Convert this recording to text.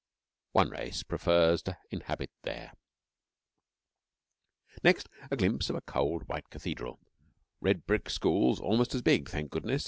One race prefers to inhabit there. Next a glimpse of a cold, white cathedral, red brick schools almost as big (thank goodness!)